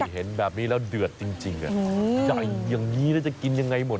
เห็นแบบนี้แล้วเดือดจริงใหญ่อย่างนี้แล้วจะกินยังไงหมด